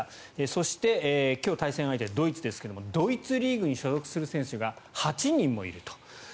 そして、今日対戦相手のドイツですがドイツリーグに所属する選手が８人もいると。